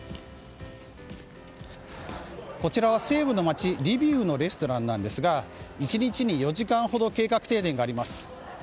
こちらは西部の街リビウのレストランですが１日に４時間ほど計画停電があります。